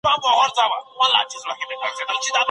هڅه وکړه چې په خپلو پښو ودرېږې.